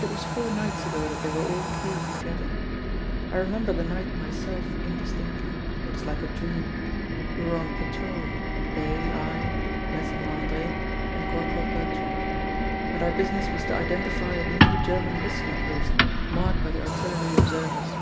It was four nights ago that they were all killed together. I remember the night myself indistinctly it is like a dream. We were on patrol they, I, Mesnil Andre, and Corporal Bertrand; and our business was to identify a new German listening post marked by the artillery observers.